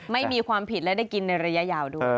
ไม่มีความผิดและได้กินในระยะยาวด้วย